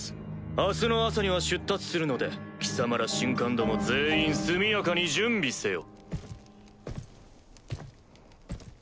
明日の朝には出立するので貴様ら神官ども全員速やかに準備せよ。